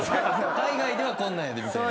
海外ではこんなんみたいな。